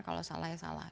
kalau salah ya salah